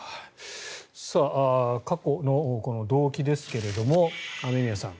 過去の動機ですけども雨宮さん。